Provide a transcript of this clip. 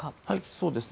そうです。